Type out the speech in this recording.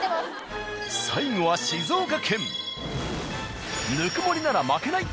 最後は静岡県。